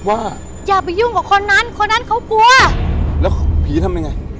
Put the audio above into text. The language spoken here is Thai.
อย่าไปยุ่งกับคนนั้นคนนั้นเขากลัวแล้วผีทำยังไง